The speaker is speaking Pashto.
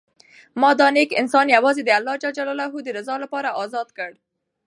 ما دا نېک انسان یوازې د الله د رضا لپاره ازاد کړ.